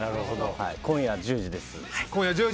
今夜１０時です。